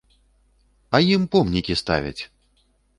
А ім помнікі ставяць!